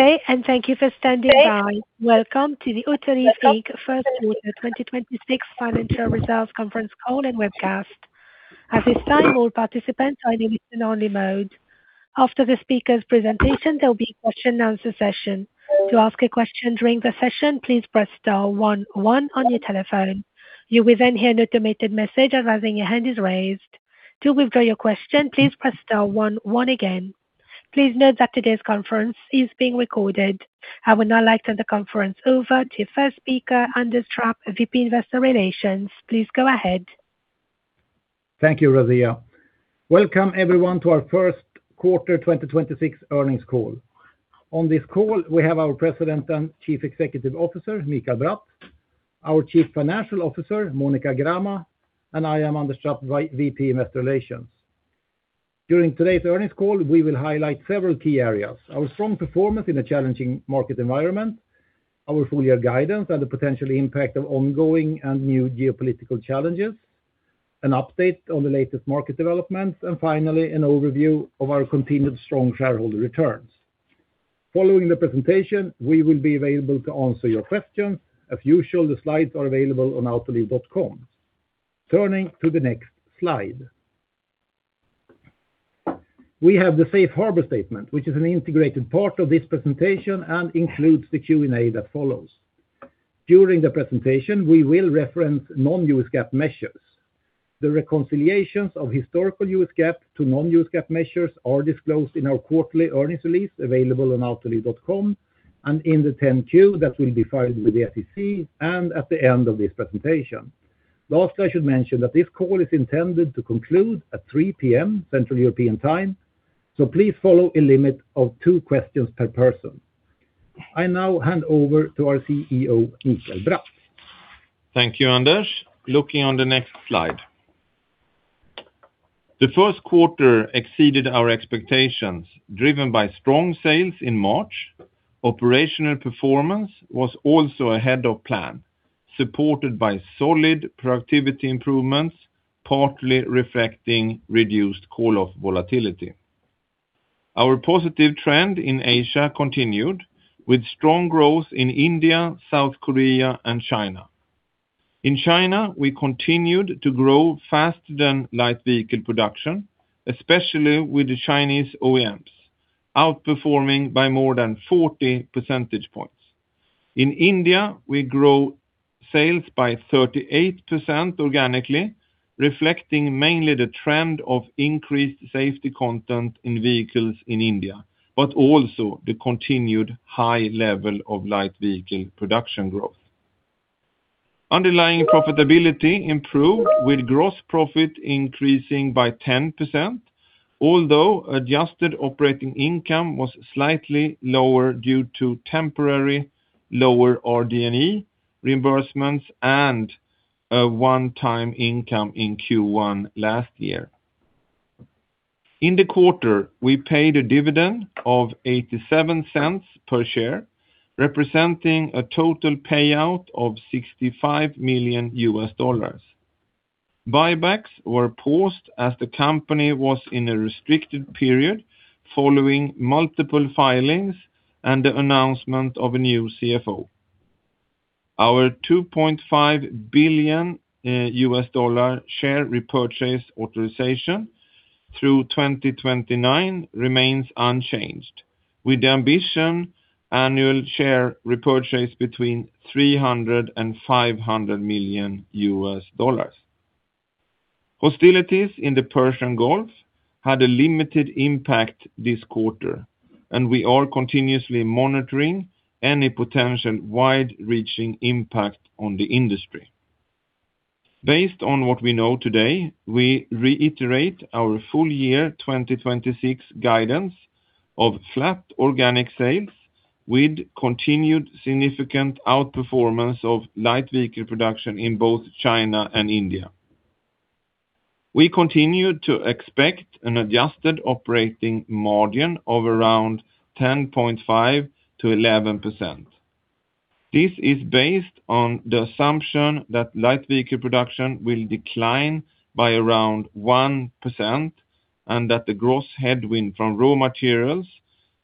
Good day, and thank you for standing by. Welcome to the Autoliv Inc. First Quarter 2026 financial results conference call and webcast. At this time, all participants are in listen-only mode. After the speaker's presentation, there'll be a question and answer session. To ask a question during the session, please press star one one on your telephone. You will then hear an automated message advising your hand is raised. To withdraw your question, please press star one one again. Please note that today's conference is being recorded. I would now like to hand the conference over to First Speaker, Anders Trapp, VP, Investor Relations. Please go ahead. Thank you, Razia. Welcome everyone to our first quarter 2026 earnings call. On this call, we have our President and Chief Executive Officer, Mikael Bratt, our Chief Financial Officer, Monika Grama, and I am Anders Trapp, VP, Investor Relations. During today's earnings call, we will highlight several key areas. Our strong performance in a challenging market environment, our full year guidance, and the potential impact of ongoing and new geopolitical challenges, an update on the latest market developments, and finally an overview of our continued strong shareholder returns. Following the presentation, we will be available to answer your questions. As usual, the slides are available on autoliv.com. Turning to the next slide. We have the Safe Harbor Statement, which is an integrated part of this presentation and includes the Q&A that follows. During the presentation, we will reference non-GAAP measures. The reconciliations of historical GAAP to non-GAAP measures are disclosed in our quarterly earnings release, available on autoliv.com, and in the 10-Q that will be filed with the SEC, and at the end of this presentation. Last, I should mention that this call is intended to conclude at 3:00 P.M. Central European Time, so please follow a limit of two questions per person. I now hand over to our CEO, Mikael Bratt. Thank you, Anders. Looking on the next slide. The first quarter exceeded our expectations, driven by strong sales in March. Operational performance was also ahead of plan, supported by solid productivity improvements, partly reflecting reduced call-off volatility. Our positive trend in Asia continued with strong growth in India, South Korea and China. In China, we continued to grow faster than light vehicle production, especially with the Chinese OEMs, outperforming by more than 40 percentage points. In India, we grow sales by 38% organically, reflecting mainly the trend of increased safety content in vehicles in India, but also the continued high level of light vehicle production growth. Underlying profitability improved with gross profit increasing by 10%, although adjusted operating income was slightly lower due to temporary lower RD&E reimbursements and a one-time income in Q1 last year. In the quarter, we paid a dividend of $0.87 per share, representing a total payout of $65 million. Buybacks were paused as the company was in a restricted period following multiple filings and the announcement of a new CFO. Our $2.5 billion share repurchase authorization through 2029 remains unchanged, with the ambitious annual share repurchase between $300 million-$500 million. Hostilities in the Persian Gulf had a limited impact this quarter, and we are continuously monitoring any potential wide-reaching impact on the industry. Based on what we know today, we reiterate our full year 2026 guidance of flat organic sales with continued significant outperformance of light vehicle production in both China and India. We continue to expect an adjusted operating margin of around 10.5%-11%. This is based on the assumption that light vehicle production will decline by around 1% and that the gross headwind from raw materials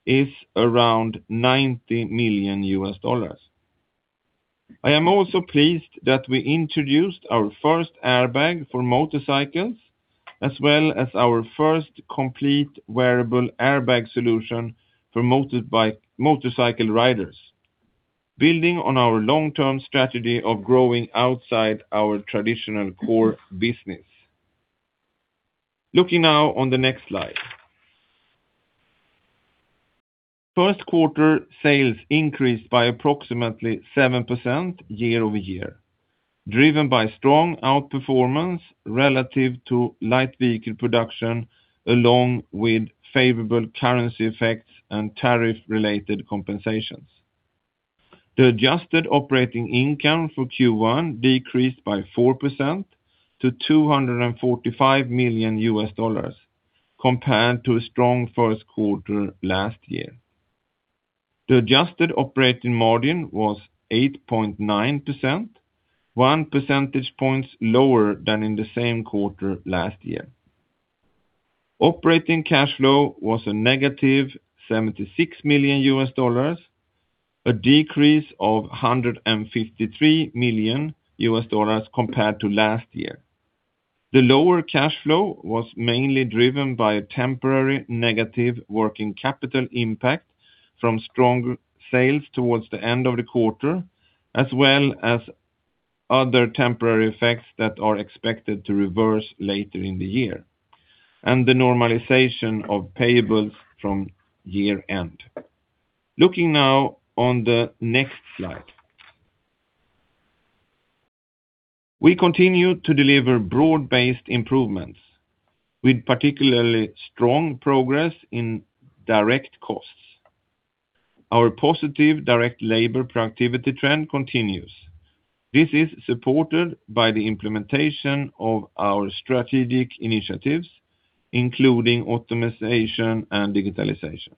is around $90 million. I am also pleased that we introduced our first airbag for motorcycles, as well as our first complete wearable airbag solution for motorcycle riders, building on our long-term strategy of growing outside our traditional core business. Looking now on the next slide. First quarter sales increased by approximately 7% year-over-year, driven by strong outperformance relative to light vehicle production, along with favorable currency effects and tariff related compensations. The adjusted operating income for Q1 decreased by 4% to $245 million, compared to a strong first quarter last year. The adjusted operating margin was 8.9%, one percentage point lower than in the same quarter last year. Operating cash flow was a -$76 million, a decrease of $153 million compared to last year. The lower cash flow was mainly driven by a temporary negative working capital impact from strong sales towards the end of the quarter, as well as other temporary effects that are expected to reverse later in the year, and the normalization of payables from year-end. Looking now on the next slide. We continue to deliver broad-based improvements, with particularly strong progress in direct costs. Our positive direct labor productivity trend continues. This is supported by the implementation of our strategic initiatives, including optimization and digitalization.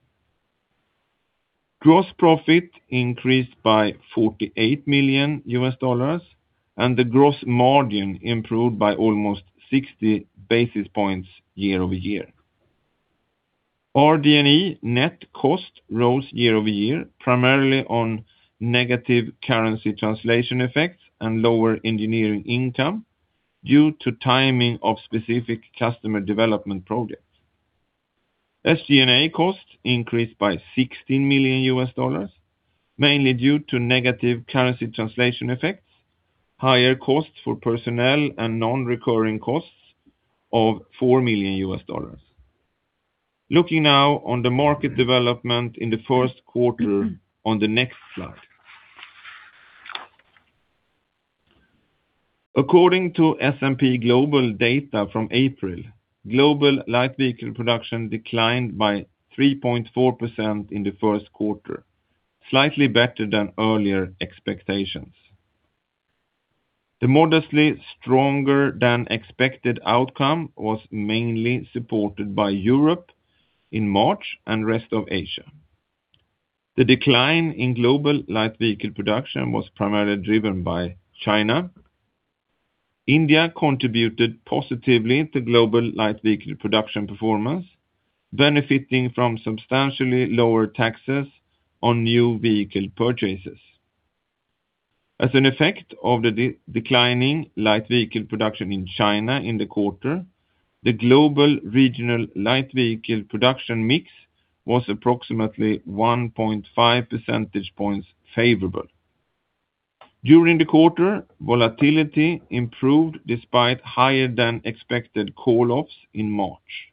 Gross profit increased by $48 million, and the gross margin improved by almost 60 basis points year-over-year. RD&E net cost rose year-over-year, primarily on negative currency translation effects and lower engineering income due to timing of specific customer development projects. SG&A costs increased by $16 million, mainly due to negative currency translation effects, higher costs for personnel, and non-recurring costs of $4 million. Looking now on the market development in the first quarter on the next slide. According to S&P Global data from April, global light vehicle production declined by 3.4% in the first quarter, slightly better than earlier expectations. The modestly stronger than expected outcome was mainly supported by Europe in March and rest of Asia. The decline in global light vehicle production was primarily driven by China. India contributed positively to global light vehicle production performance, benefiting from substantially lower taxes on new vehicle purchases. As an effect of the declining light vehicle production in China in the quarter, the global regional light vehicle production mix was approximately 1.5 percentage points favorable. During the quarter, volatility improved despite higher than expected call-offs in March.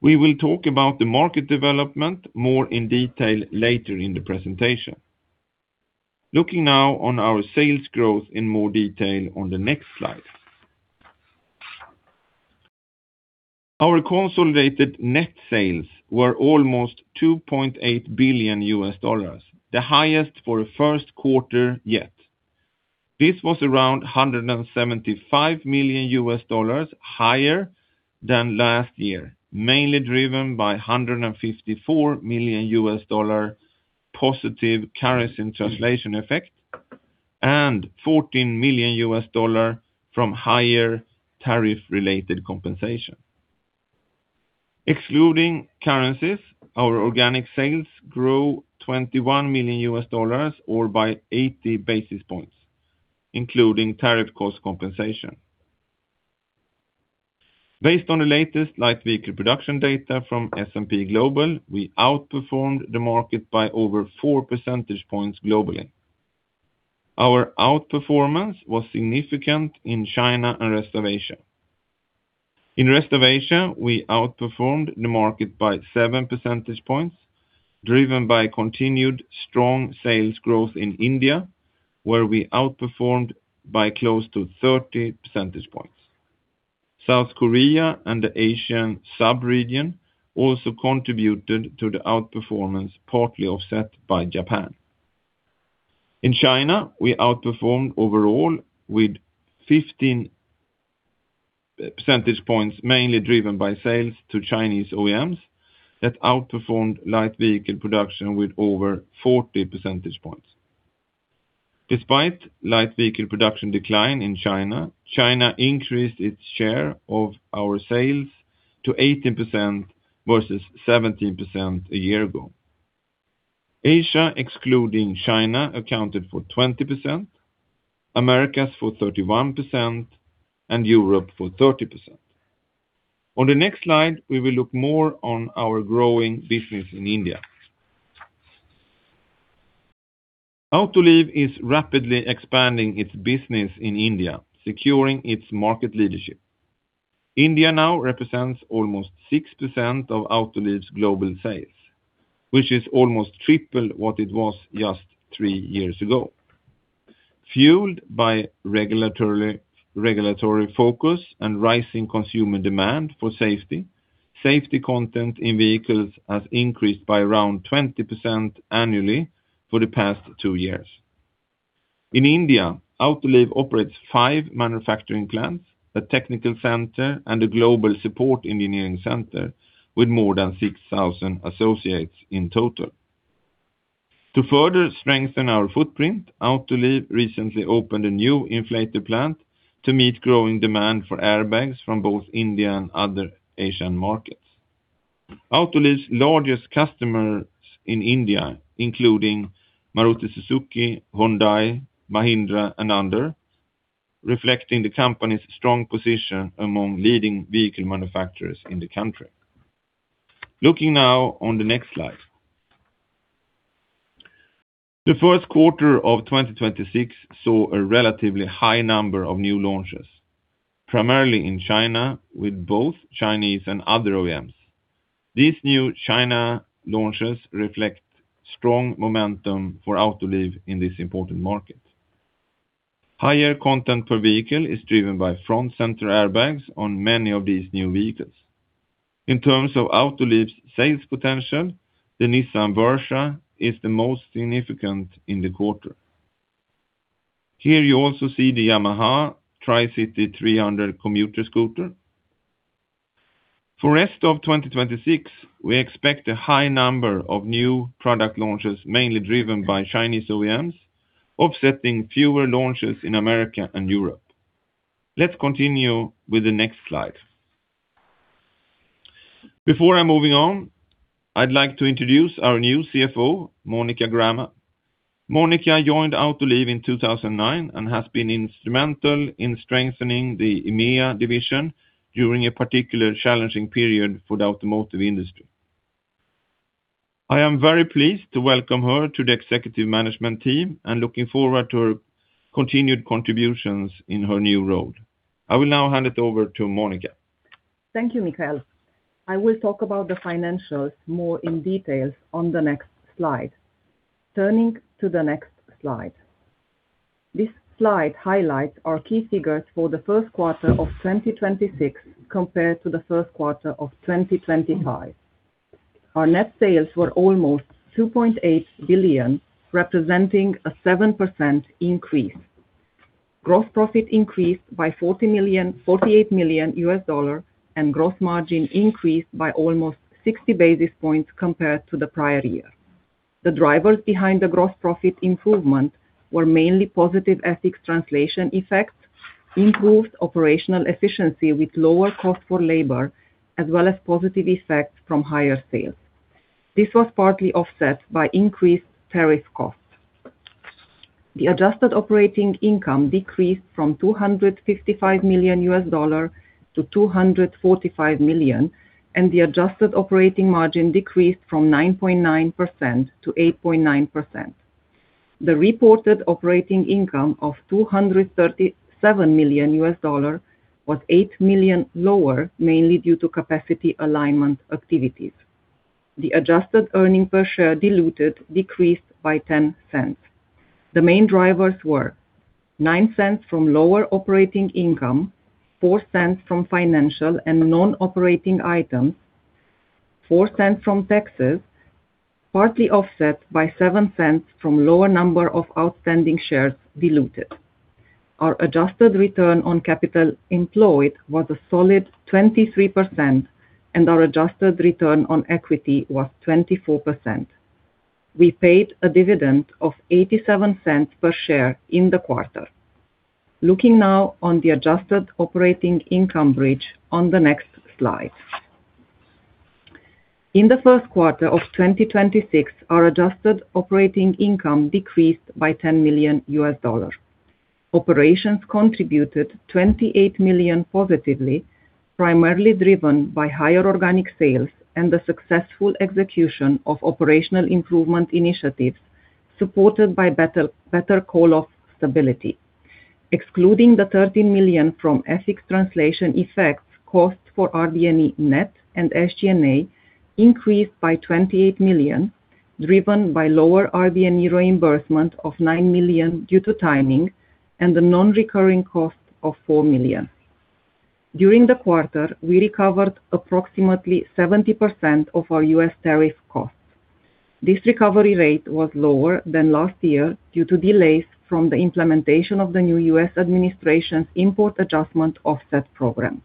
We will talk about the market development more in detail later in the presentation. Looking now on our sales growth in more detail on the next slide. Our consolidated net sales were almost $2.8 billion, the highest for a first quarter yet. This was around $175 million higher than last year, mainly driven by $154 million positive currency translation effect and $14 million from higher tariff related compensation. Excluding currencies, our organic sales grew $21 million or by 80 basis points, including tariff cost compensation. Based on the latest light vehicle production data from S&P Global, we outperformed the market by over 4 percentage points globally. Our outperformance was significant in China and rest of Asia. In rest of Asia, we outperformed the market by 7 percentage points, driven by continued strong sales growth in India, where we outperformed by close to 30 percentage points. South Korea and the Asian sub-region also contributed to the outperformance, partly offset by Japan. In China, we outperformed overall with 15 percentage points, mainly driven by sales to Chinese OEMs that outperformed light vehicle production with over 40 percentage points. Despite light vehicle production decline in China increased its share of our sales to 18% versus 17% a year ago. Asia, excluding China, accounted for 20%, Americas for 31%, and Europe for 30%. On the next slide, we will look more on our growing business in India. Autoliv is rapidly expanding its business in India, securing its market leadership. India now represents almost 6% of Autoliv's global sales, which is almost triple what it was just three years ago. Fueled by regulatory focus and rising consumer demand for safety content in vehicles has increased by around 20% annually for the past two years. In India, Autoliv operates five manufacturing plants, a technical center, and a global support engineering center with more than 6,000 associates in total. To further strengthen our footprint, Autoliv recently opened a new inflator plant to meet growing demand for airbags from both India and other Asian markets. Autoliv's largest customers in India, including Maruti Suzuki, Hyundai, Mahindra, and others, reflecting the company's strong position among leading vehicle manufacturers in the country. Looking now on the next slide. The first quarter of 2026 saw a relatively high number of new launches, primarily in China, with both Chinese and other OEMs. These new China launches reflect strong momentum for Autoliv in this important market. Higher content per vehicle is driven by front center airbags on many of these new vehicles. In terms of Autoliv's sales potential, the Nissan Versa is the most significant in the quarter. Here you also see the Yamaha Tricity 300 commuter scooter. For rest of 2026, we expect a high number of new product launches, mainly driven by Chinese OEMs, offsetting fewer launches in America and Europe. Let's continue with the next slide. Before I'm moving on, I'd like to introduce our new CFO, Monika Grama. Monika joined Autoliv in 2009 and has been instrumental in strengthening the EMEA division during a particular challenging period for the automotive industry. I am very pleased to welcome her to the executive management team and looking forward to her continued contributions in her new role. I will now hand it over to Monika. Thank you, Mikael. I will talk about the financials more in detail on the next slide. Turning to the next slide. This slide highlights our key figures for the first quarter of 2026 compared to the first quarter of 2025. Our net sales were almost $2.8 billion, representing a 7% increase. Gross profit increased by $48 million, and gross margin increased by almost 60 basis points compared to the prior year. The drivers behind the gross profit improvement were mainly positive FX translation effects, improved operational efficiency with lower cost for labor, as well as positive effects from higher sales. This was partly offset by increased tariff costs. The adjusted operating income decreased from $255 million to $245 million, and the adjusted operating margin decreased from 9.9% to 8.9%. The reported operating income of $237 million was $8 million lower, mainly due to capacity alignment activities. The adjusted earnings per share diluted decreased by $0.10. The main drivers were $0.09 from lower operating income, $0.04 from financial and non-operating items, $0.04 from taxes, partly offset by $0.07 from lower number of outstanding shares diluted. Our adjusted return on capital employed was a solid 23%, and our adjusted return on equity was 24%. We paid a dividend of $0.87 per share in the quarter. Looking now on the adjusted operating income bridge on the next slide. In the first quarter of 2026, our adjusted operating income decreased by $10 million. Operations contributed $28 million positively, primarily driven by higher organic sales and the successful execution of operational improvement initiatives supported by better call-off stability. Excluding the $13 million from FX translation effects, costs for RD&E net and SG&A increased by $28 million, driven by lower RD&E reimbursement of $9 million due to timing and the non-recurring cost of $4 million. During the quarter, we recovered approximately 70% of our U.S. tariff costs. This recovery rate was lower than last year due to delays from the implementation of the new U.S. administration's Import Adjustment Offset Program.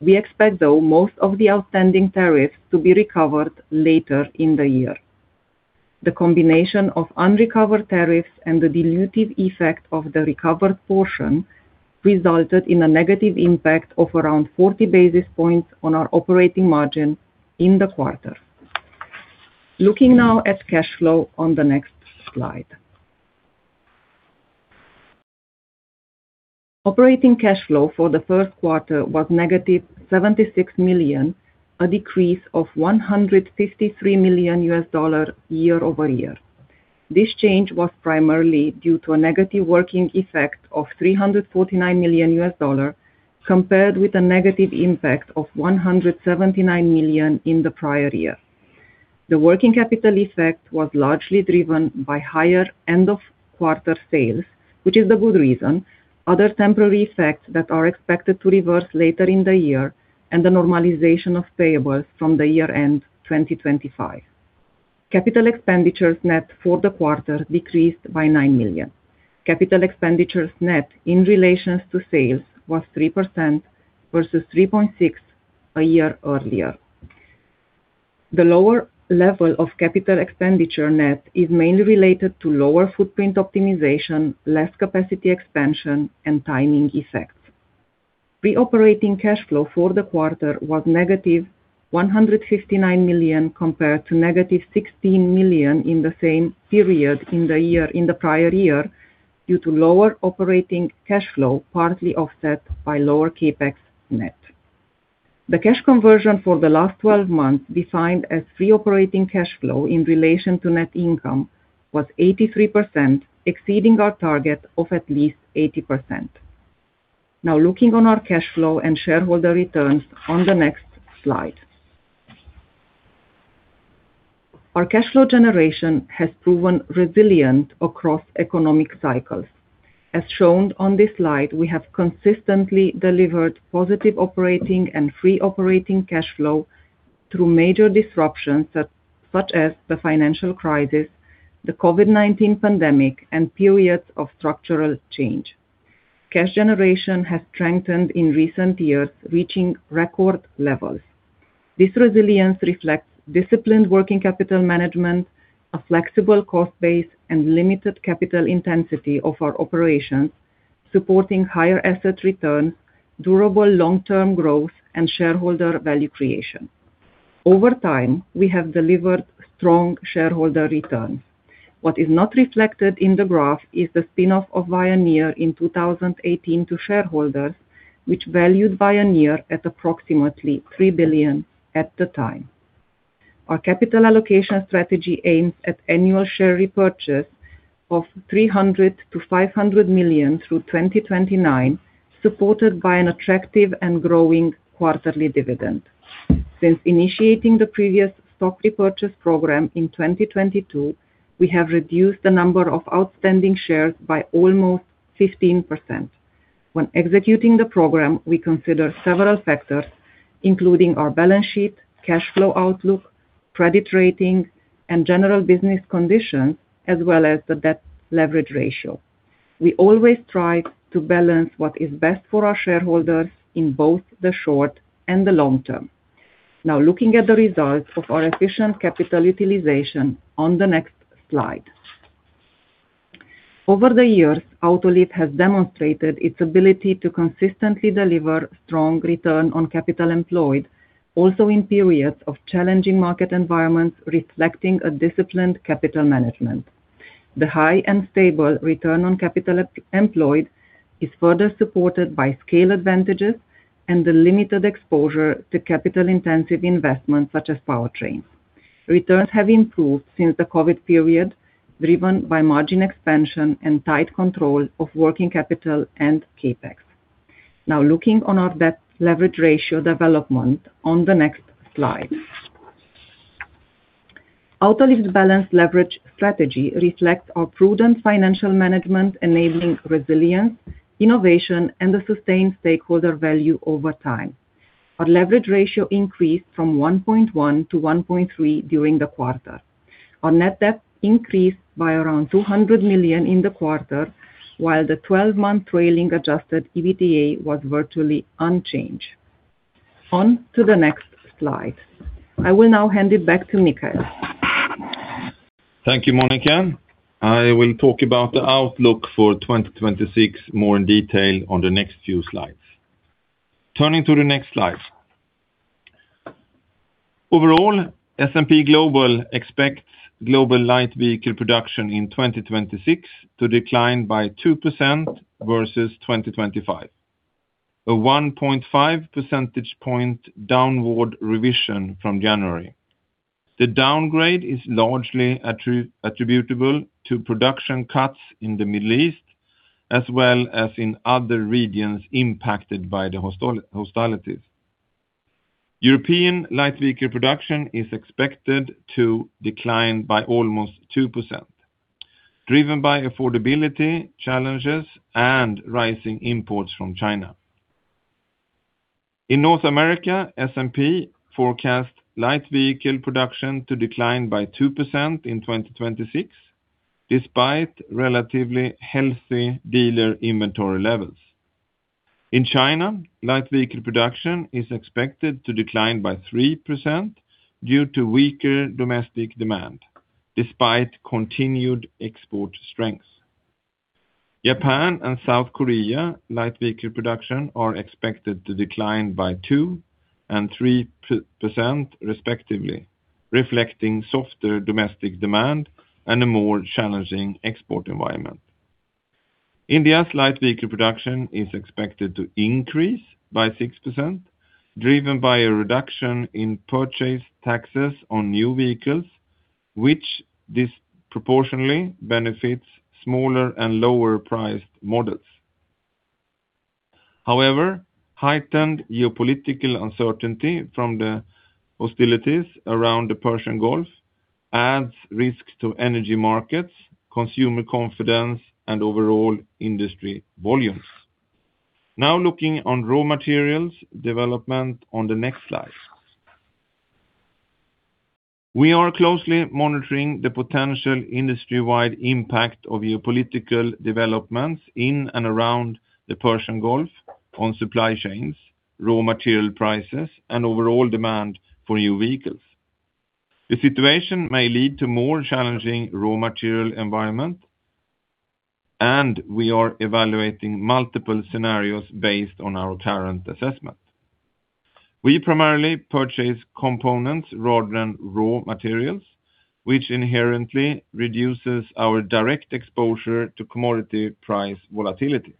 We expect, though, most of the outstanding tariffs to be recovered later in the year. The combination of unrecovered tariffs and the dilutive effect of the recovered portion resulted in a negative impact of around 40 basis points on our operating margin in the quarter. Looking now at cash flow on the next slide. Operating cash flow for the first quarter was -$76 million, a decrease of $153 million year-over-year. This change was primarily due to a negative working capital effect of $349 million, compared with a negative impact of $179 million in the prior year. The working capital effect was largely driven by higher end-of-quarter sales, which is a good reason, other temporary effects that are expected to reverse later in the year, and the normalization of payables from the year-end 2025. Capital expenditures net for the quarter decreased by $9 million. Capital expenditures net in relation to sales was 3% versus 3.6% a year earlier. The lower level of capital expenditure net is mainly related to lower footprint optimization, less capacity expansion, and timing effects. Pre-operating cash flow for the quarter was -$159 million compared to -$16 million in the same period in the prior year due to lower operating cash flow, partly offset by lower CapEx net. The cash conversion for the last 12 months, defined as free operating cash flow in relation to net income, was 83%, exceeding our target of at least 80%. Now looking on our cash flow and shareholder returns on the next slide. Our cash flow generation has proven resilient across economic cycles. As shown on this slide, we have consistently delivered positive operating and free operating cash flow through major disruptions, such as the financial crisis, the COVID-19 pandemic, and periods of structural change. Cash generation has strengthened in recent years, reaching record levels. This resilience reflects disciplined working capital management, a flexible cost base, and limited capital intensity of our operations, supporting higher asset return, durable long-term growth, and shareholder value creation. Over time, we have delivered strong shareholder returns. What is not reflected in the graph is the spinoff of Veoneer in 2018 to shareholders, which valued Veoneer at approximately $3 billion at the time. Our capital allocation strategy aims at annual share repurchase of $300 million-$500 million through 2029, supported by an attractive and growing quarterly dividend. Since initiating the previous stock repurchase program in 2022, we have reduced the number of outstanding shares by almost 15%. When executing the program, we consider several factors, including our balance sheet, cash flow outlook, credit rating, and general business conditions, as well as the debt leverage ratio. We always try to balance what is best for our shareholders in both the short and the long term. Now looking at the results of our efficient capital utilization on the next slide. Over the years, Autoliv has demonstrated its ability to consistently deliver strong return on capital employed, also in periods of challenging market environments, reflecting a disciplined capital management. The high and stable return on capital employed is further supported by scale advantages and the limited exposure to capital-intensive investments, such as powertrains. Returns have improved since the COVID period, driven by margin expansion and tight control of working capital and CapEx. Now looking at our debt leverage ratio development on the next slide. Autoliv's balanced leverage strategy reflects our prudent financial management, enabling resilience, innovation, and the sustained stakeholder value over time. Our leverage ratio increased from 1.1 to 1.3 during the quarter. Our net debt increased by around $200 million in the quarter, while the 12-month trailing adjusted EBITDA was virtually unchanged. On to the next slide. I will now hand it back to Mikael. Thank you, Monika. I will talk about the outlook for 2026 more in detail on the next few slides. Turning to the next slide. Overall, S&P Global expects global light vehicle production in 2026 to decline by 2% versus 2025, a 1.5 percentage point downward revision from January. The downgrade is largely attributable to production cuts in the Middle East, as well as in other regions impacted by the hostilities. European light vehicle production is expected to decline by almost 2%, driven by affordability challenges and rising imports from China. In North America, S&P forecasts light vehicle production to decline by 2% in 2026, despite relatively healthy dealer inventory levels. In China, light vehicle production is expected to decline by 3% due to weaker domestic demand, despite continued export strength. Japan and South Korea light vehicle production are expected to decline by 2% and 3%, respectively, reflecting softer domestic demand and a more challenging export environment. India's light vehicle production is expected to increase by 6%, driven by a reduction in purchase taxes on new vehicles, which disproportionately benefits smaller and lower-priced models. However, heightened geopolitical uncertainty from the hostilities around the Persian Gulf adds risk to energy markets, consumer confidence, and overall industry volumes. Now looking on raw materials development on the next slide. We are closely monitoring the potential industry-wide impact of geopolitical developments in and around the Persian Gulf on supply chains, raw material prices, and overall demand for new vehicles. The situation may lead to more challenging raw material environment, and we are evaluating multiple scenarios based on our current assessment. We primarily purchase components rather than raw materials, which inherently reduces our direct exposure to commodity price volatility.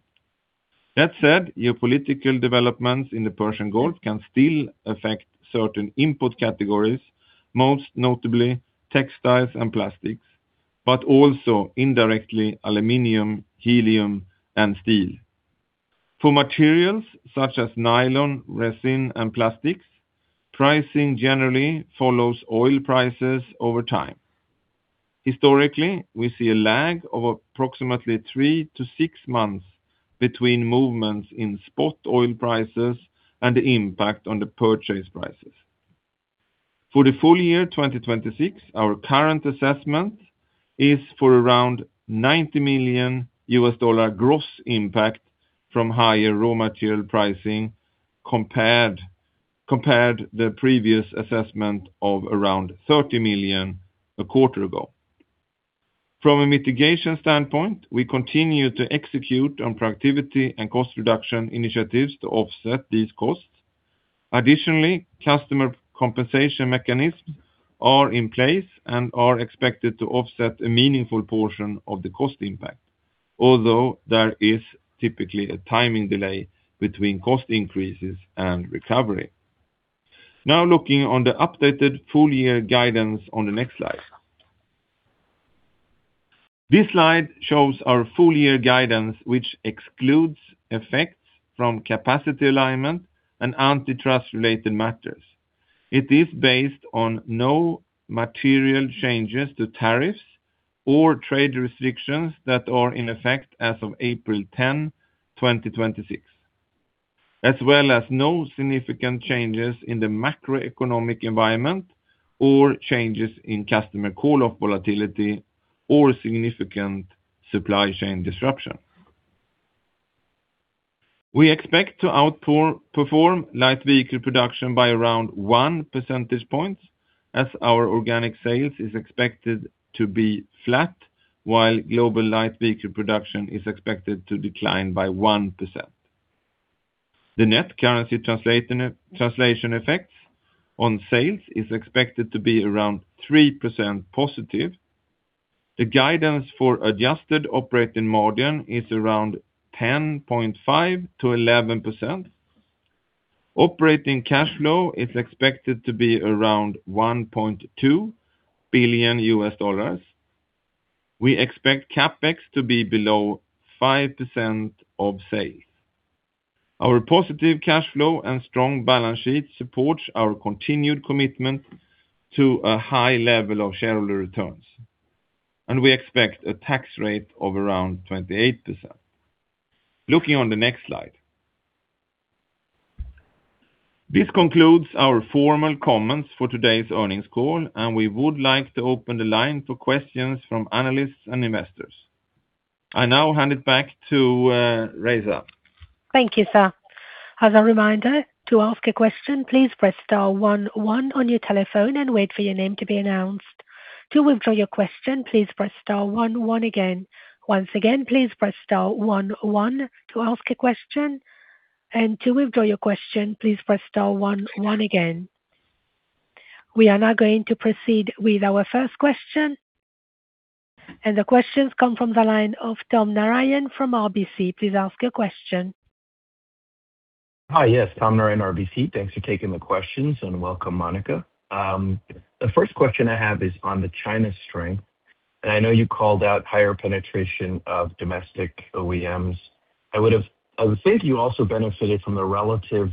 That said, geopolitical developments in the Persian Gulf can still affect certain input categories, most notably textiles and plastics, but also indirectly aluminum, helium, and steel. For materials such as nylon, resin, and plastics, pricing generally follows oil prices over time. Historically, we see a lag of approximately three to six months between movements in spot oil prices and the impact on the purchase prices. For the full year 2026, our current assessment is for around $90 million gross impact from higher raw material pricing compared to the previous assessment of around $30 million a quarter ago. From a mitigation standpoint, we continue to execute on productivity and cost reduction initiatives to offset these costs. Customer compensation mechanisms are in place and are expected to offset a meaningful portion of the cost impact, although there is typically a timing delay between cost increases and recovery. Now looking on the updated full year guidance on the next slide. This slide shows our full year guidance, which excludes effects from capacity alignment and antitrust related matters. It is based on no material changes to tariffs or trade restrictions that are in effect as of April 10, 2026, as well as no significant changes in the macroeconomic environment or changes in customer call-off volatility or significant supply chain disruption. We expect to outperform light vehicle production by around 1 percentage point, as our organic sales is expected to be flat, while global light vehicle production is expected to decline by 1%. The net currency translation effects on sales is expected to be around 3% +. The guidance for adjusted operating margin is around 10.5%-11%. Operating cash flow is expected to be around $1.2 billion. We expect CapEx to be below 5% of sales. Our positive cash flow and strong balance sheet supports our continued commitment to a high level of shareholder returns, and we expect a tax rate of around 28%. Looking on the next slide. This concludes our formal comments for today's earnings call, and we would like to open the line for questions from analysts and investors. I now hand it back to Raza. Thank you, sir. As a reminder, to ask a question, please press star one one on your telephone and wait for your name to be announced. To withdraw your question, please press star one one again. Once again, please press star one one to ask a question. To withdraw your question, please press star one one again. We are now going to proceed with our first question. The question comes from the line of Tom Narayan from RBC. Please ask your question. Hi. Yes. Tom Narayan, RBC. Thanks for taking the questions and welcome, Monika. The first question I have is on the China strength, and I know you called out higher penetration of domestic OEMs. I would think you also benefited from the relative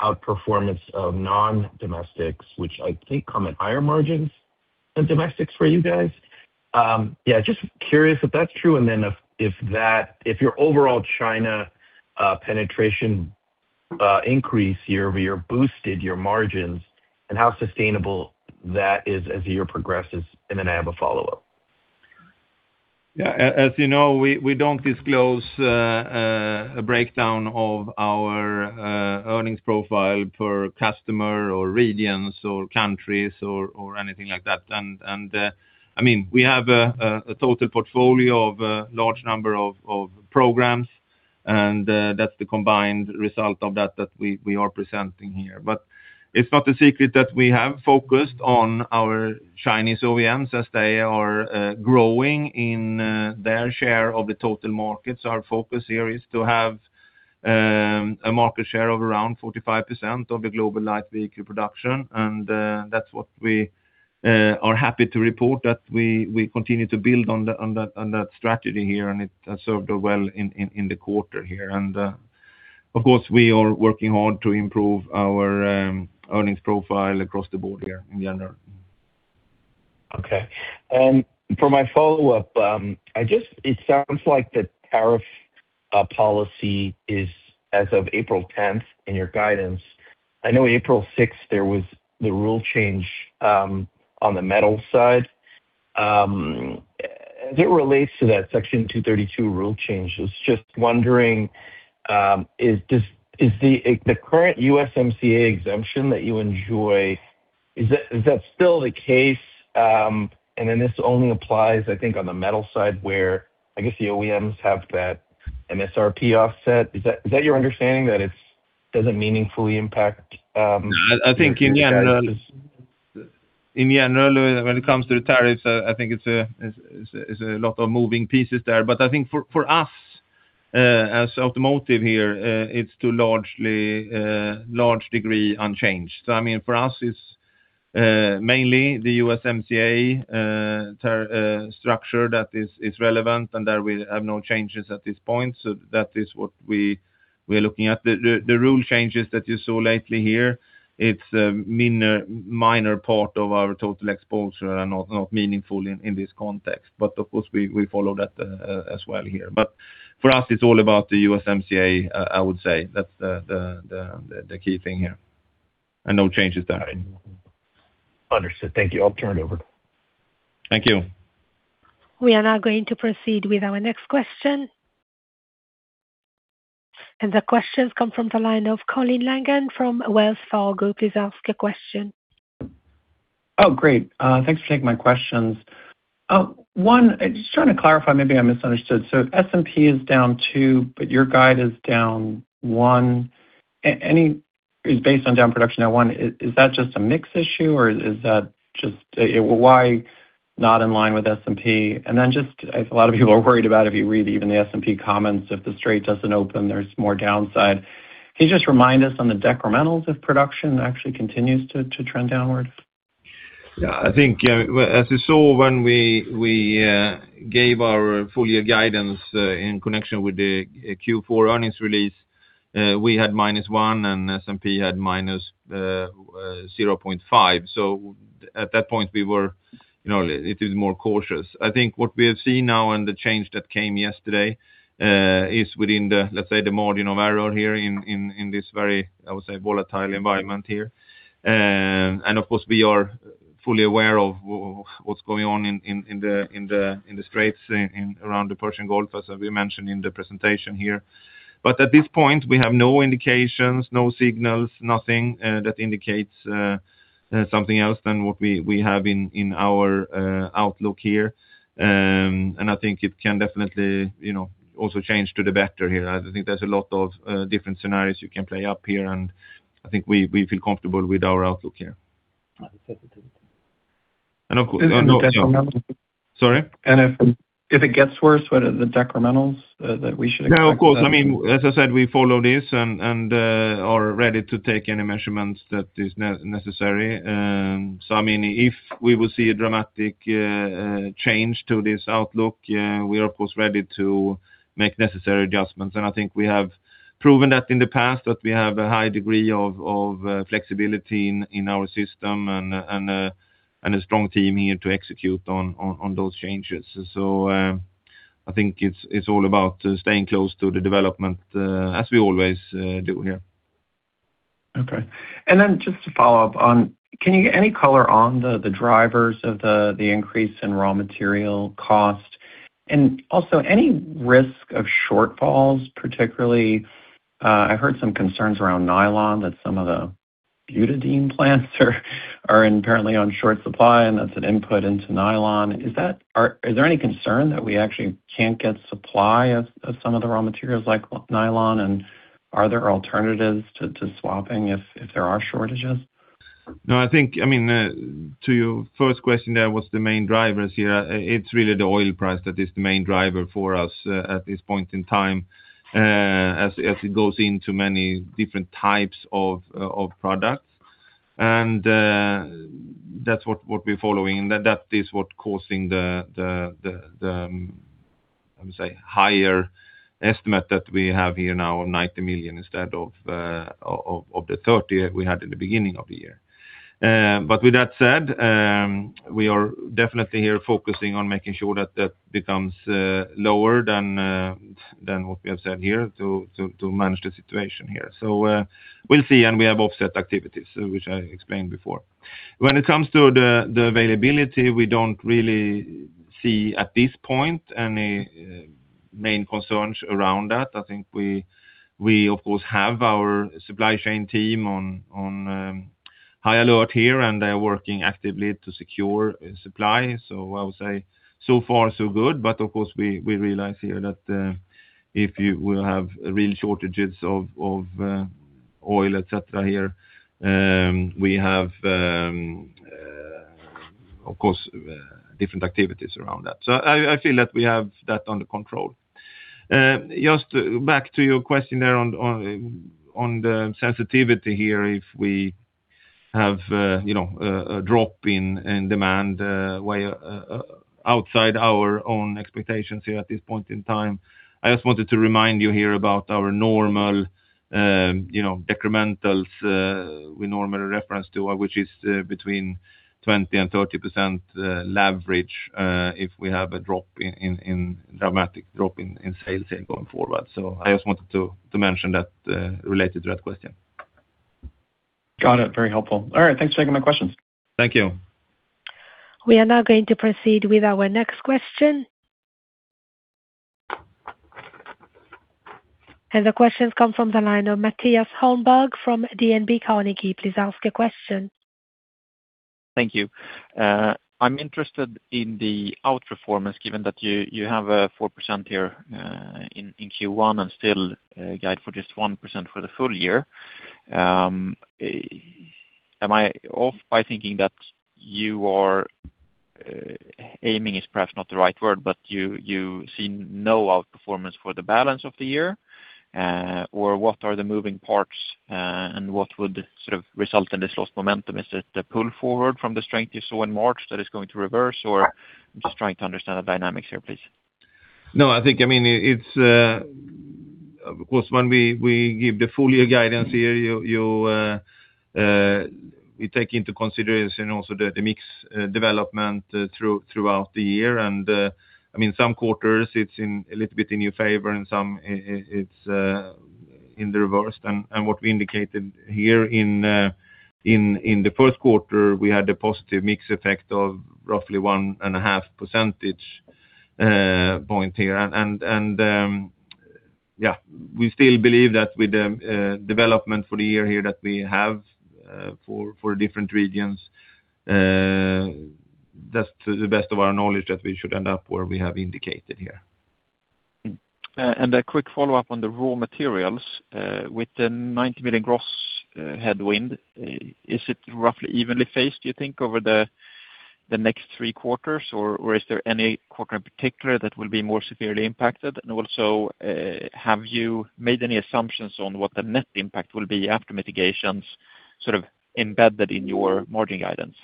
outperformance of non-domestics, which I think come at higher margins than domestics for you guys. Just curious if that's true, and then if your overall China penetration increase year-over-year boosted your margins, and how sustainable that is as the year progresses. I have a follow-up. Yeah. As you know, we don't disclose a breakdown of our earnings profile per customer or regions or countries or anything like that. We have a total portfolio of a large number of programs, and that's the combined result of that we are presenting here. It's not a secret that we have focused on our Chinese OEMs as they are growing in their share of the total market. Our focus here is to have a market share of around 45% of the global light vehicle production. That's what we are happy to report, that we continue to build on that strategy here, and it served us well in the quarter here. Of course, we are working hard to improve our earnings profile across the board here in general. Okay. For my follow-up, it sounds like the tariff policy is as of April 10th in your guidance. I know April 6th there was the rule change on the metal side. As it relates to that Section 232 rule changes, just wondering, the current USMCA exemption that you enjoy, is that still the case? This only applies, I think, on the metal side, where I guess the OEMs have that MSRP offset. Is that your understanding that it doesn't meaningfully impact? I think in general, when it comes to the tariffs, I think it's a lot of moving pieces there. I think for us, as automotive here, it's to large degree unchanged. I mean, for us, it's mainly the USMCA structure that is relevant and that will have no changes at this point. That is what we are looking at. The rule changes that you saw lately here, it's a minor part of our total exposure and not meaningful in this context. Of course, we follow that as well here. For us, it's all about the USMCA, I would say. That's the key thing here. No changes there. Understood. Thank you. I'll turn it over. Thank you. We are now going to proceed with our next question. The question comes from the line of Colin Langan from Wells Fargo. Please ask your question. Oh, great. Thanks for taking my questions. One, just trying to clarify, maybe I misunderstood. S&P is down 2, but your guide is down 1. Is based on down production at 1, is that just a mix issue? Why not in line with S&P? Just as a lot of people are worried about, if you read even the S&P comments, if the Strait doesn't open, there's more downside. Can you just remind us on the decrementals if production actually continues to trend downwards? Yeah, I think as you saw when we gave our full year guidance in connection with the Q4 earnings release, we had -1 and S&P had -0.5. At that point it is more cautious. I think what we have seen now and the change that came yesterday is within the, let's say, the margin of error here in this very, I would say, volatile environment here. Of course, we are fully aware of what's going on in the Straits around the Persian Gulf, as we mentioned in the presentation here. At this point, we have no indications, no signals, nothing that indicates something else than what we have in our outlook here. I think it can definitely also change to the better here. I think there's a lot of different scenarios you can play up here, and I think we feel comfortable with our outlook here. If it gets worse, what are the decrementals that we should expect? Yeah, of course. I mean, as I said, we follow this and are ready to take any measurements that is necessary. I mean, if we will see a dramatic change to this outlook, we are of course ready to make necessary adjustments. I think we have proven that in the past that we have a high degree of flexibility in our system and a strong team here to execute on those changes. I think it's all about staying close to the development as we always do here. Okay. Just to follow up on, can you get any color on the drivers of the increase in raw material cost? Any risk of shortfalls, particularly, I've heard some concerns around nylon that some of the butadiene plants are apparently in short supply, and that's an input into nylon. Is there any concern that we actually can't get supply of some of the raw materials like nylon, and are there alternatives to swapping if there are shortages? No, I think, to your first question there, what's the main drivers here? It's really the oil price that is the main driver for us at this point in time, as it goes into many different types of products. That's what we're following. That is what causing the, I would say, higher estimate that we have here now of $90 million instead of the $30 million we had at the beginning of the year. With that said, we are definitely here focusing on making sure that that becomes lower than what we have said here to manage the situation here. We'll see, and we have offset activities, which I explained before. When it comes to the availability, we don't really see at this point any main concerns around that. I think we of course have our supply chain team on high alert here, and they're working actively to secure supply. I would say, so far so good. Of course, we realize here that if we will have real shortages of oil, et cetera here, we have, of course, different activities around that. I feel that we have that under control. Just back to your question there on the sensitivity here, if we have a drop in demand way outside our own expectations here at this point in time. I just wanted to remind you here about our normal decrementals we normally reference to, which is between 20% and 30% leverage if we have a dramatic drop in sales here going forward. I just wanted to mention that related to that question. Got it. Very helpful. All right, thanks for taking my questions. Thank you. We are now going to proceed with our next question. The question comes from the line of Mattias Holmberg from DNB Carnegie. Please ask your question. Thank you. I'm interested in the outperformance, given that you have 4% here in Q1 and still guide for just 1% for the full year. Am I off by thinking that you are, aiming is perhaps not the right word, but you see no outperformance for the balance of the year? Or what are the moving parts and what would sort of result in this lost momentum? Is it the pull forward from the strength you saw in March that is going to reverse, or I'm just trying to understand the dynamics here, please. No, of course, when we give the full year guidance here, we take into consideration also the mix development throughout the year. Some quarters it's a little bit in your favor and some it's in the reverse. What we indicated here in the first quarter, we had a positive mix effect of roughly 1.5 percentage point here. Yeah, we still believe that with the development for the year here that we have for different regions, that's to the best of our knowledge that we should end up where we have indicated here. A quick follow-up on the raw materials. With the $90 million gross headwind, is it roughly evenly phased, do you think, over the next three quarters, or is there any quarter in particular that will be more severely impacted? Also, have you made any assumptions on what the net impact will be after mitigations sort of embedded in your margin guidance?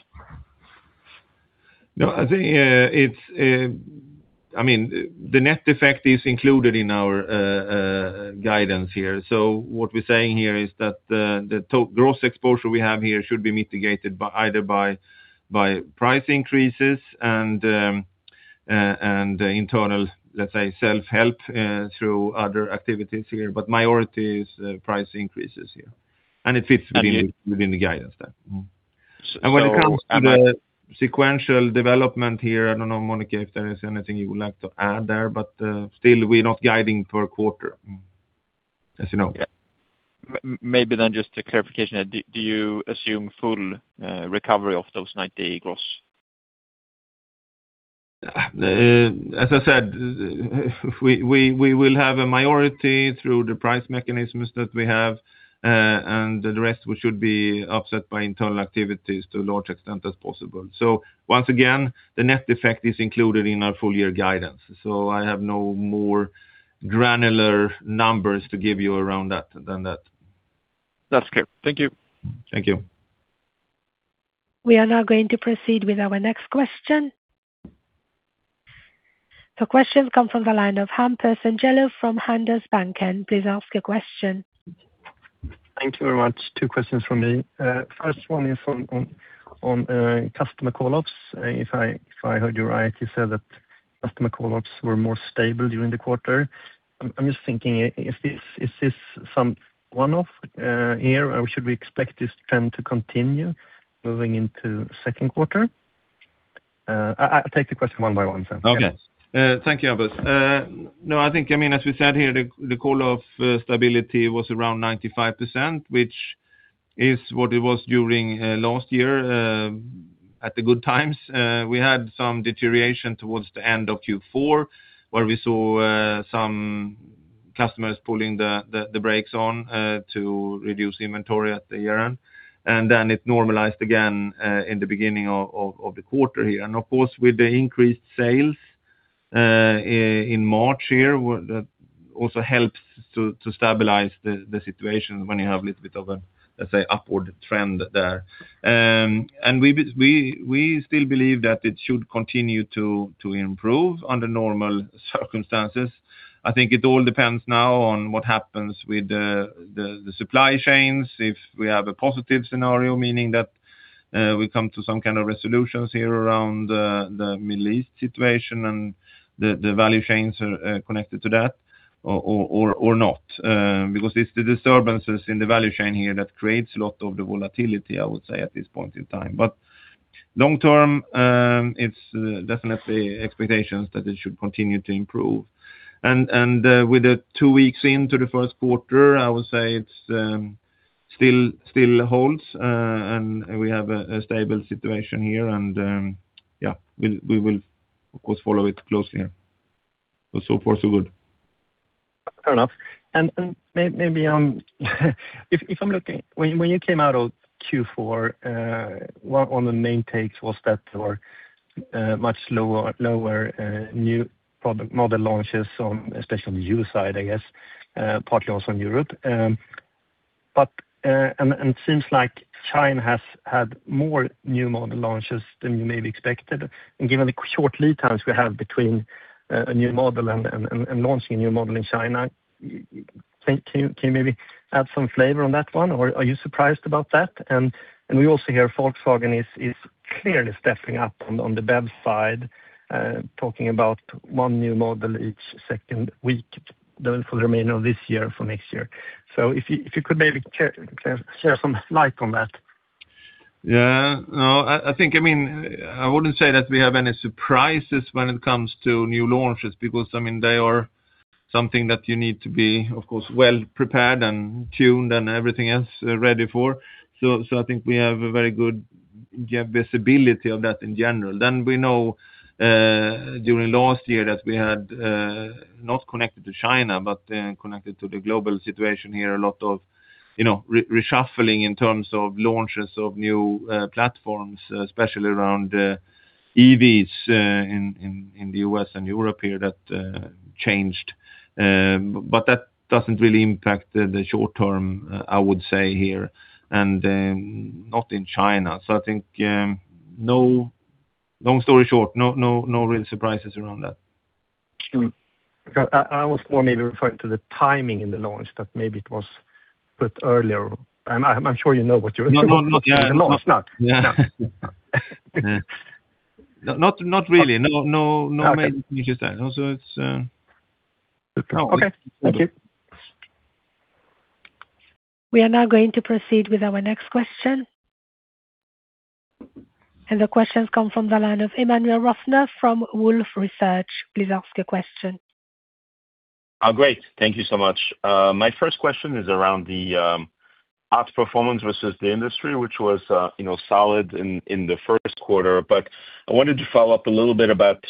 No, the net effect is included in our guidance here. What we're saying here is that the gross exposure we have here should be mitigated either by price increases and internal, let's say, self-help through other activities here, but majority is price increases here. It fits within the guidance there. When it comes to the sequential development here, I don't know, Monika, if there is anything you would like to add there, but still we're not guiding per quarter, as you know. Maybe just a clarification. Do you assume full recovery of those 90% gross? As I said, we will have a majority through the price mechanisms that we have, and the rest should be offset by internal activities to the largest extent possible. Once again, the net effect is included in our full-year guidance. I have no more granular numbers to give you other than that. That's clear. Thank you. Thank you. We are now going to proceed with our next question. The question comes from the line of Hampus Engellau from Handelsbanken. Please ask your question. Thank you very much. Two questions from me. First one is on customer call-offs. If I heard you right, you said that customer call-offs were more stable during the quarter. I'm just thinking, is this some one-off here, or should we expect this trend to continue moving into second quarter? I'll take the question one by one, sir. Okay. Thank you, Hampus. No, as we said here, the call-off stability was around 95%, which is what it was during last year at the good times. We had some deterioration towards the end of Q4, where we saw some customers pulling the brakes on to reduce inventory at the year-end. It normalized again in the beginning of the quarter here. Of course, with the increased sales in March here, that also helps to stabilize the situation when you have a little bit of a, let's say, upward trend there. We still believe that it should continue to improve under normal circumstances. I think it all depends now on what happens with the supply chains. If we have a positive scenario, meaning that we come to some kind of resolutions here around the Middle East situation and the value chains are connected to that, or not. Because it's the disturbances in the value chain here that creates a lot of the volatility, I would say, at this point in time. Long term, it's definitely expectations that it should continue to improve. With the two weeks into the first quarter, I would say it still holds, and we have a stable situation here. Yeah, we will of course follow it closely here. So far so good. Fair enough. Maybe when you came out of Q4, one of the main takes was that there were much lower new product model launches on, especially on the U.S. side, I guess, partly also in Europe. It seems like China has had more new model launches than you maybe expected. Given the short lead times we have between a new model and launching a new model in China, can you maybe add some flavor on that one? Are you surprised about that? We also hear Volkswagen is clearly stepping up on the BEV side, talking about one new model each second week for the remainder of this year, for next year. If you could maybe shed some light on that? Yeah. I wouldn't say that we have any surprises when it comes to new launches because they are something that you need to be, of course, well prepared and tuned and everything else ready for. I think we have a very good visibility of that in general. We know, during last year that we had, not connected to China, but connected to the global situation here, a lot of reshuffling in terms of launches of new platforms, especially around EVs in the U.S. and Europe here that changed. That doesn't really impact the short term, I would say here, and not in China. I think, long story short, no real surprises around that. I was more maybe referring to the timing in the launch that maybe it was put earlier. I'm sure you know what you're- No. It's not? Not really. No. Okay. Got it. We are now going to proceed with our next question. The question's come from the line of Emmanuel Rosner from Wolfe Research. Please ask your question. Great. Thank you so much. My first question is around the outperformance versus the industry, which was solid in the first quarter. I wanted to follow up a little bit about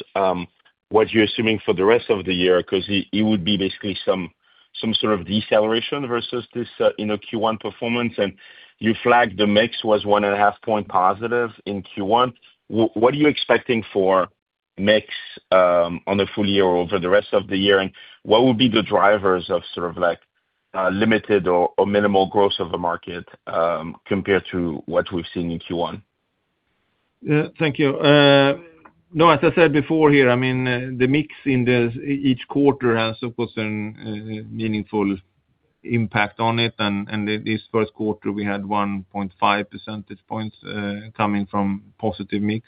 what you're assuming for the rest of the year, because it would be basically some sort of deceleration versus this Q1 performance, and you flagged the mix was 1.5+in Q1. What are you expecting for mix on a full year over the rest of the year? And what would be the drivers of sort of limited or minimal growth of the market, compared to what we've seen in Q1? Yeah. Thank you. No, as I said before here, the mix in each quarter has, of course, a meaningful impact on it. This first quarter, we had 1.5 percentage points coming from positive mix.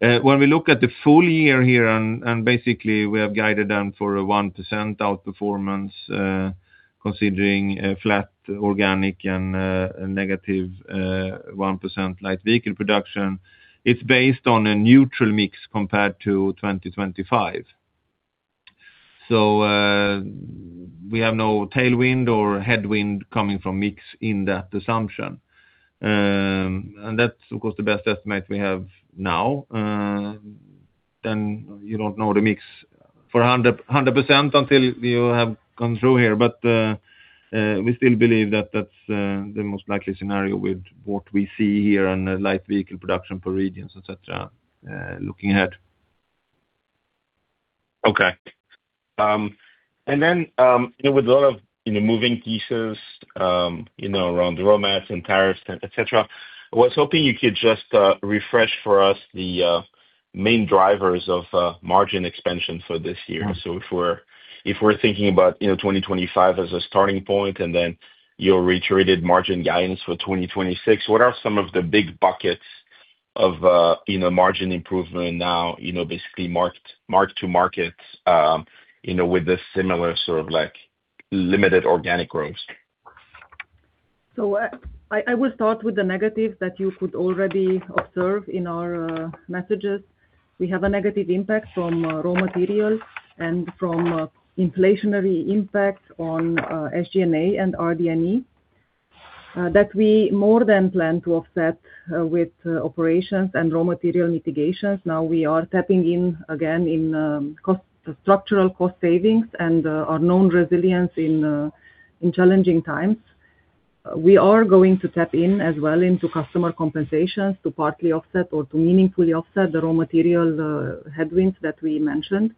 When we look at the full year here, and basically, we have guided them for a 1% outperformance, considering a flat organic and a -1% light vehicle production. It's based on a neutral mix compared to 2025. We have no tailwind or headwind coming from mix in that assumption. That's of course the best estimate we have now. You don't know the mix for 100% until you have gone through here. We still believe that that's the most likely scenario with what we see here on a light vehicle production per regions, et cetera, looking ahead. Okay. With a lot of moving pieces around raw mats and tariffs, et cetera. I was hoping you could just refresh for us the main drivers of margin expansion for this year. If we're thinking about 2025 as a starting point, and then your reiterated margin guidance for 2026, what are some of the big buckets of margin improvement now, basically mark to market, with a similar sort of limited organic growth? I will start with the negatives that you could already observe in our messages. We have a negative impact from raw materials and from inflationary impact on SG&A and RD&E, that we more than plan to offset with operations and raw material mitigations. Now we are tapping into again structural cost savings and our known resilience in challenging times. We are going to tap into as well customer compensations to partly offset or to meaningfully offset the raw material headwinds that we mentioned.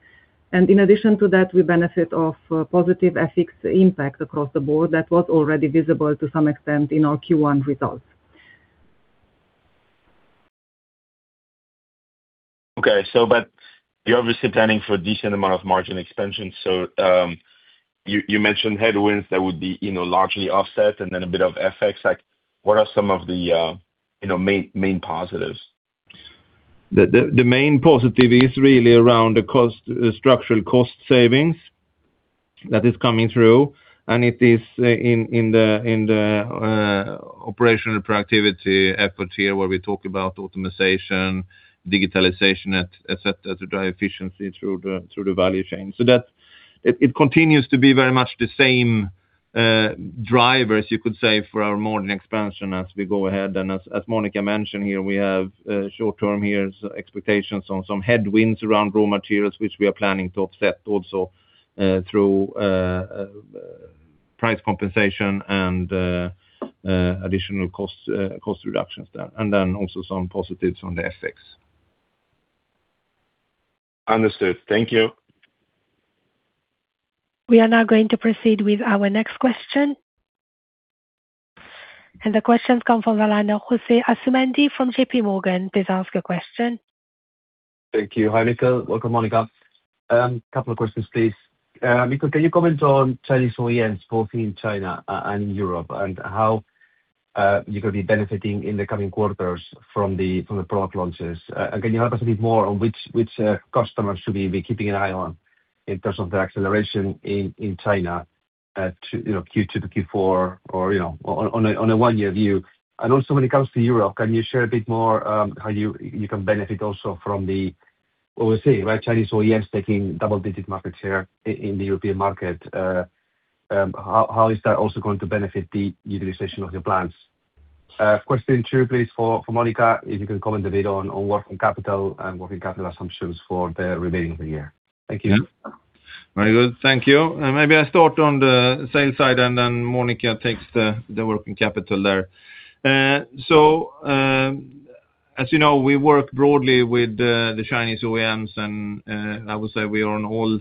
In addition to that, we benefit from positive FX impact across the board that was already visible to some extent in our Q1 results. Okay. You're obviously planning for a decent amount of margin expansion. You mentioned headwinds that would be largely offset and then a bit of FX. What are some of the main positives? The main positive is really around structural cost savings that is coming through, and it is in the operational productivity efforts here where we talk about optimization, digitalization, et cetera, to drive efficiency through the value chain. It continues to be very much the same drivers, you could say, for our margin expansion as we go ahead. As Monika mentioned here, we have short-term headwinds expectations on some headwinds around raw materials, which we are planning to offset also through price compensation and additional cost reductions there. Then also some positives on the FX. Understood. Thank you. We are now going to proceed with our next question. The question comes from the line of Jose Asumendi from JPMorgan. Please ask your question. Thank you. Hi, Mikael. Welcome, Monika. Couple of questions, please. Mikael, can you comment on Chinese OEMs, both in China and in Europe, and how you could be benefiting in the coming quarters from the product launches? Can you help us a bit more on which customers should we be keeping an eye on in terms of the acceleration in China to Q2 to Q4 or on a one-year view? Also when it comes to Europe, can you share a bit more how you can benefit also from the, what we see, right, Chinese OEMs taking double-digit market share in the European market. How is that also going to benefit the utilization of your plants? Question two please for Monika, if you can comment a bit on working capital and working capital assumptions for the remaining of the year. Thank you. Very good. Thank you. Maybe I start on the sales side and then Monika takes the working capital there. As you know, we work broadly with the Chinese OEMs and, I would say we are on all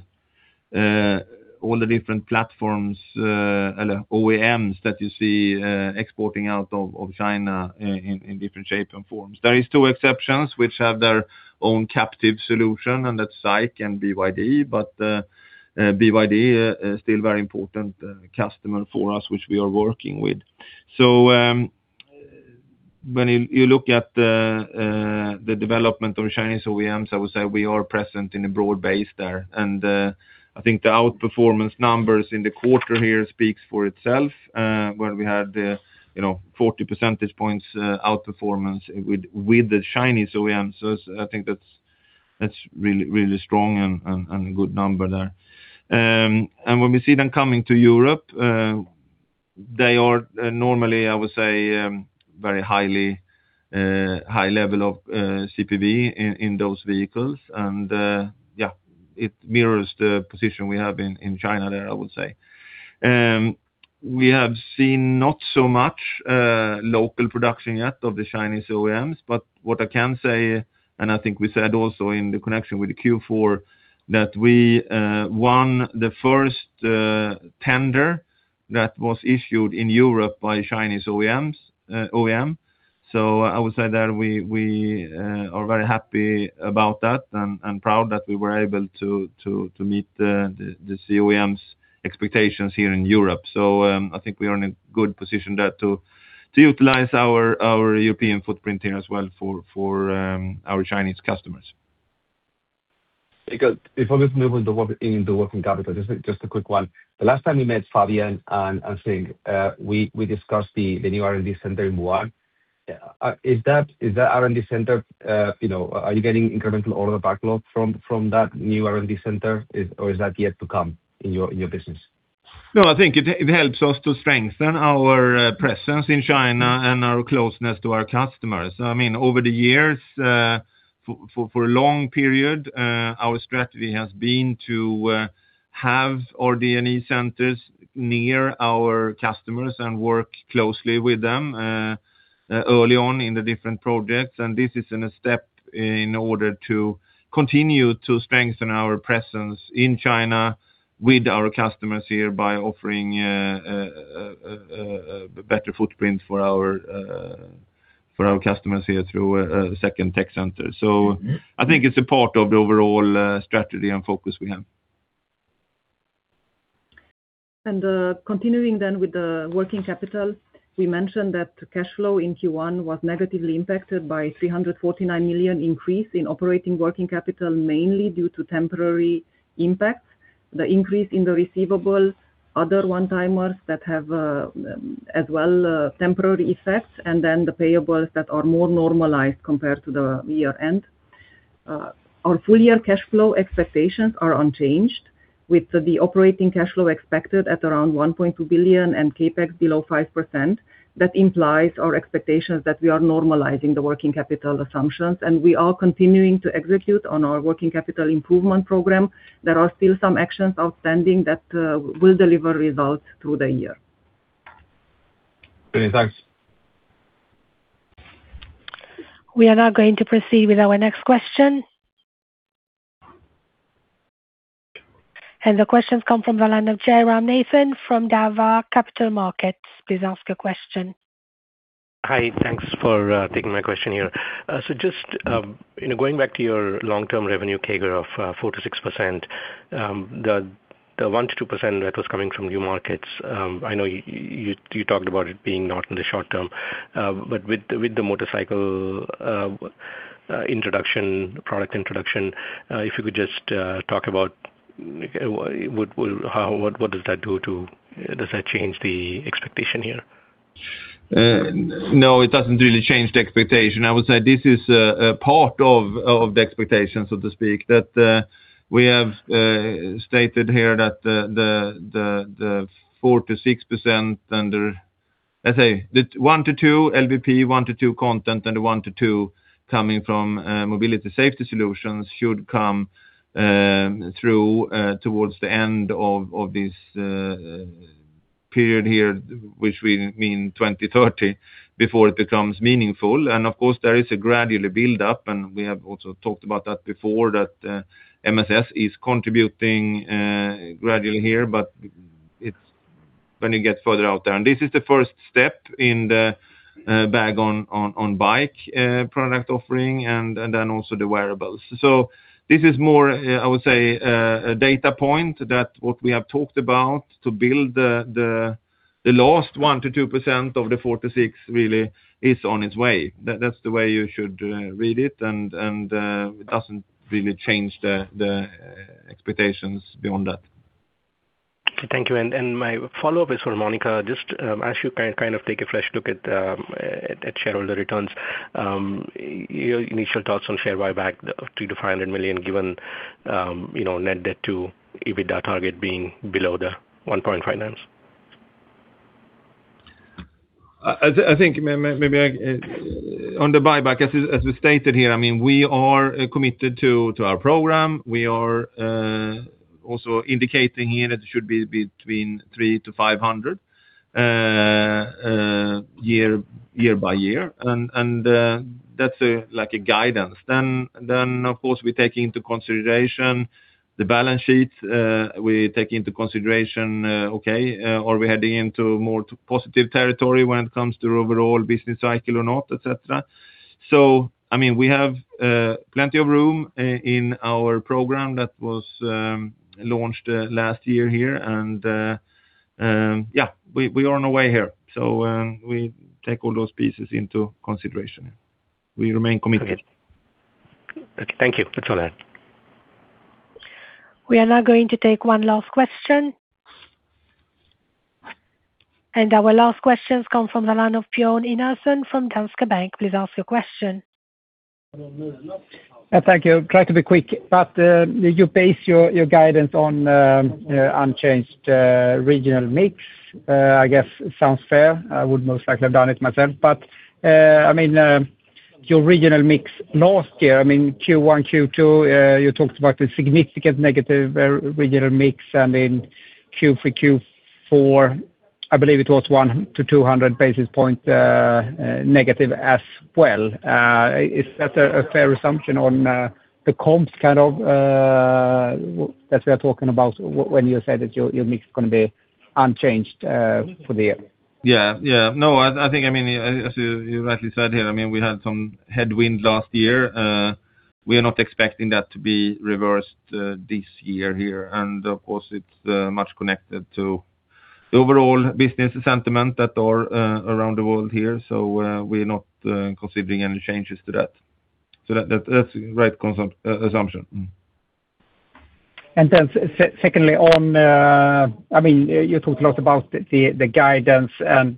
the different platforms, OEMs that you see exporting out of China in different shape and forms. There is two exceptions which have their own captive solution, and that's SAIC and BYD. BYD are still very important customer for us, which we are working with. When you look at the development of Chinese OEMs, I would say we are present in a broad base there. I think the outperformance numbers in the quarter here speaks for itself, where we had 40 percentage points outperformance with the Chinese OEMs. I think that's really strong and good number there. When we see them coming to Europe, they are normally, I would say, very high level of CPV in those vehicles. Yeah, it mirrors the position we have in China there, I would say. We have seen not so much local production yet of the Chinese OEMs. What I can say, and I think we said also in the connection with the Q4, that we won the first tender that was issued in Europe by Chinese OEM. I would say that we are very happy about that and proud that we were able to meet this OEM's expectations here in Europe. I think we are in a good position there to utilize our European footprint here as well for our Chinese customers. Mikael, before we move into working capital, just a quick one. The last time we met Fabien and Sng, we discussed the new R&D center in Wuhan. Is that R&D center, are you getting incremental order backlog from that new R&D center or is that yet to come in your business? No, I think it helps us to strengthen our presence in China and our closeness to our customers. Over the years, for a long period, our strategy has been to have RD&E centers near our customers and work closely with them early on in the different projects. This is a step in order to continue to strengthen our presence in China with our customers here by offering a better footprint for our customers here through a second tech center. I think it's a part of the overall strategy and focus we have. Continuing with the working capital. We mentioned that cash flow in Q1 was negatively impacted by $349 million increase in operating working capital, mainly due to temporary impacts. The increase in the receivables, other one-timers that have as well temporary effects, and then the payables that are more normalized compared to the year end. Our full-year cash flow expectations are unchanged, with the operating cash flow expected at around $1.2 billion and CapEx below 5%. That implies our expectations that we are normalizing the working capital assumptions, and we are continuing to execute on our working capital improvement program. There are still some actions outstanding that will deliver results through the year. Okay, thanks. We are now going to proceed with our next question. The question comes from the line of Jairam Nathan from Daiwa Capital Markets. Please ask a question. Hi. Thanks for taking my question here. Just going back to your long-term revenue CAGR of 4%-6%. The 1%-2% that was coming from new markets, I know you talked about it being not in the short term. With the motorcycle product introduction, if you could just talk about what that does to the expectation here. Does that change the expectation here? No, it doesn't really change the expectation. I would say this is a part of the expectation, so to speak, that we have stated here that the 4%-6% under, the 1%-2% LVP, 1%-2% content, and the 1%-2% coming from mobility safety solutions should come through towards the end of this year period here, which we mean 2030, before it becomes meaningful. Of course, there is a gradual build-up, and we have also talked about that before, that MSS is contributing gradually here, but when you get further out there. This is the first step in the bag-on-bike product offering and then also the wearables. This is more, I would say, a data point that what we have talked about to build the last 1%-2% of the 4%-6% really is on its way. That's the way you should read it, and it doesn't really change the expectations beyond that. Okay, thank you. My follow-up is for Monika. Just as you take a fresh look at shareholder returns, your initial thoughts on share buyback of $300 million-$500 million, given net debt to EBITDA target being below the 1.5x? On the buyback, as we stated here, we are committed to our program. We are also indicating here that it should be between $300 million-$500 million year by year. That's a guidance. Of course, we take into consideration the balance sheet. We take into consideration, are we heading into more positive territory when it comes to overall business cycle or not, et cetera. We have plenty of room in our program that was launched last year here. Yeah, we are on our way here. We take all those pieces into consideration. We remain committed. Okay. Thank you. That's all I have. We are now going to take one last question. Our last question comes from the line of Björn Enarson from Danske Bank. Please ask your question. Thank you. Try to be quick. You base your guidance on unchanged regional mix. I guess it sounds fair. I would most likely have done it myself. Your regional mix last year, Q1, Q2, you talked about the significant negative regional mix. In Q3, Q4, I believe it was 100-200 basis points negative as well. Is that a fair assumption on the comps kind of that we are talking about when you said that your mix is going to be unchanged for the year? Yeah. No, as you rightly said here, we had some headwind last year. We are not expecting that to be reversed this year here. Of course, it's much connected to the overall business sentiment that are around the world here. We are not considering any changes to that. That's the right assumption. Secondly, you talked a lot about the guidance and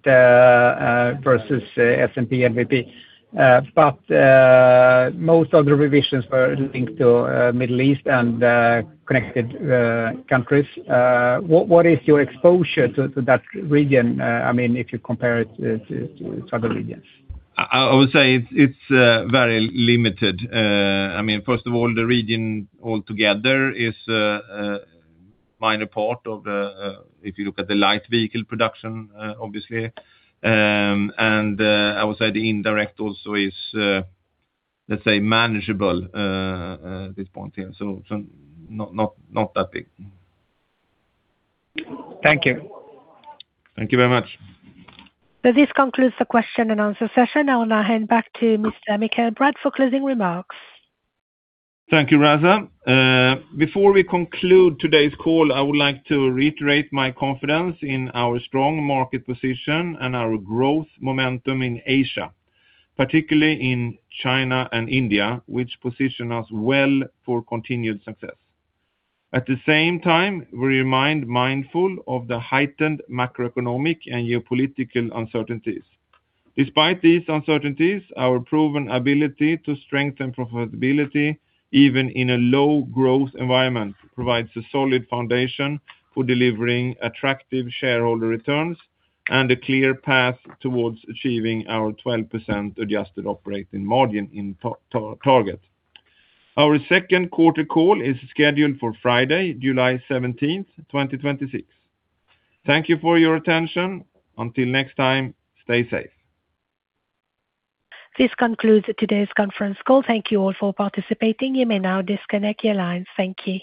versus S&P and VP. Most of the revisions were linked to Middle East and connected countries. What is your exposure to that region if you compare it to other regions? I would say it's very limited. First of all, the region altogether is a minor part, if you look at the light vehicle production, obviously. I would say the indirect also is, let's say, manageable at this point here. Not that big. Thank you. Thank you very much. This concludes the question and answer session. I will now hand back to Mr. Mikael Bratt for closing remarks. Thank you, Raza. Before we conclude today's call, I would like to reiterate my confidence in our strong market position and our growth momentum in Asia, particularly in China and India, which position us well for continued success. At the same time, we remain mindful of the heightened macroeconomic and geopolitical uncertainties. Despite these uncertainties, our proven ability to strengthen profitability, even in a low growth environment, provides a solid foundation for delivering attractive shareholder returns and a clear path towards achieving our 12% adjusted operating margin target. Our second quarter call is scheduled for Friday, July 17th, 2026. Thank you for your attention. Until next time, stay safe. This concludes today's conference call. Thank you all for participating. You may now disconnect your lines. Thank you.